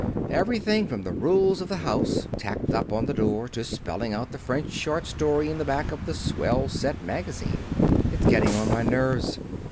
Everything from the Rules of the House tacked up on the door to spelling out the French short story in the back of the Swell Set Magazine. It's getting on my nerves.